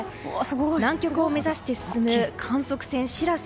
南極を目指して進む観測船「しらせ」。